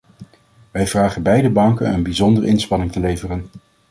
Wij vragen beide banken een bijzondere inspanning te leveren.